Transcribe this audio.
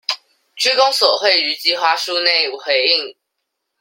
區公所會於計畫書內回應